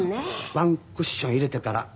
１クッション入れてから。